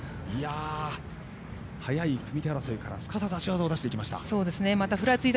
速い組み手争いから、すかさず足技を出していきました。